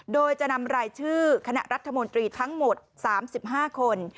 โดยจะนำรายชื่อคณะรัฐมนตรีทั้งหมด๓๕คน